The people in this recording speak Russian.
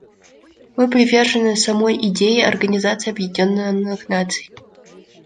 Мы привержены самой идее Организации Объединенных Наций.